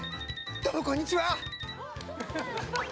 どうもこんにちは！